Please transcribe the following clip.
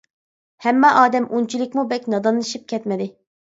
ھەممە ئادەم ئۇنچىلىكمۇ بەك نادانلىشىپ كەتمىدى.